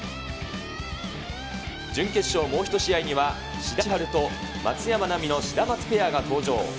準決勝、もう１試合には、志田千陽と松山奈未のシダマツペアが登場。